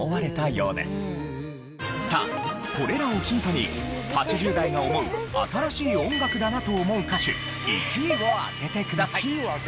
さあこれらをヒントに８０代が思う新しい音楽だなと思う歌手１位を当ててください。